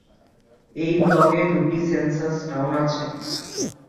এই ব্লকে দুটি সেন্সাস টাউন আছে।